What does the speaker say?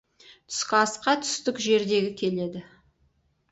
Түскі асқа түстік жердегі келеді.